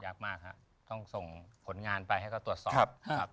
ยากมากครับต้องส่งผลงานไปให้เขาตรวจสอบ